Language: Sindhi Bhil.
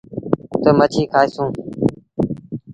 تا مڇي کآئيسو۔